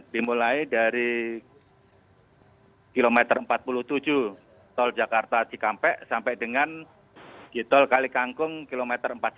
dimulai dari km empat puluh tujuh gtol jakarta cikampek sampai dengan gtol kalikangkung km empat ratus empat belas